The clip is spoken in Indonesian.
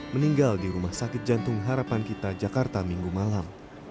meninggal di rumah sakit jantung harapan kita jakarta minggu malam